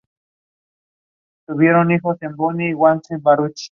Su componente principal varía según los recursos que disponga el reo.